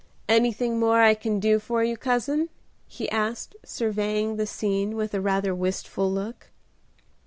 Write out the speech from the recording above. "Anything more I can do for you, cousin?" he asked, surveying the scene with a rather wistful look.